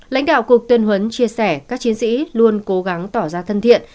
lãnh đạo cục tuyên huấn chia sẻ các chiến sĩ luôn cố gắng tỏ ra thân thiện